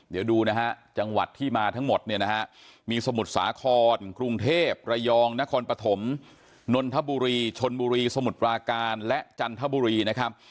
เดี๋ยวดูนะฮะจังหวัดที่มาทั้งหมดเนี่ยนะฮะมีสมุทรสาครกรุงเทพระยองนครปฐมนนทบุรีชนบุรีสมุทรปราการและจันทบุรีนะครับ